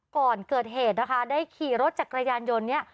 ก่อนเกิดเหตุนะคะได้ขี่รถจักรยานยนต์เนี่ย